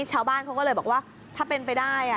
ชาวบ้านเขาก็เลยบอกว่าถ้าเป็นไปได้